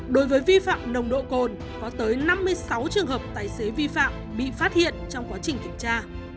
đối với vi phạm nồng độ cồn có tới năm mươi sáu trường hợp tài xế vi phạm bị phát hiện trong quá trình kiểm tra